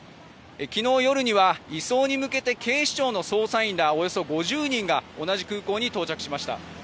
昨日夜には移送に向けて警視庁の捜査員らおよそ５０人が同じ空港に到着しました。